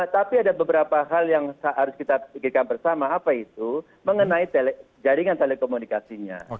tapi ada beberapa hal yang harus kita pikirkan bersama apa itu mengenai jaringan telekomunikasinya